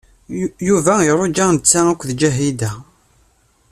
Yuba iruja netta d Ǧahida.